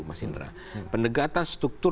mas indra pendekatan struktur